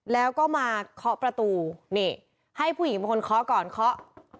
แล้วก็มาเคาะประตูนี่ให้ผู้หญิงเป็นคนเคาะก่อนเคาะ